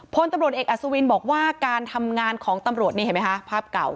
พลตำรวจเอกอัศวินบอกว่าการทำงานของตำรวจนี่เห็นไหมคะภาพเก่า